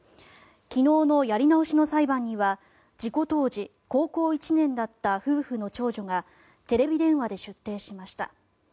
昨日のやり直しの裁判には事故当時、高校１年だった夫婦の長女がテレビ電話で出廷しました。